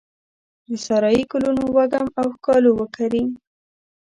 د سارایې ګلونو وږم او ښکالو وکرې